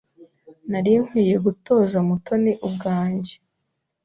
Nari nkwiye gutoza Mutoni ubwanjye.